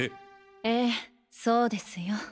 ええそうですよ。